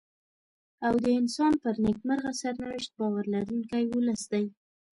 او د انسان پر نېکمرغه سرنوشت باور لرونکی ولس دی.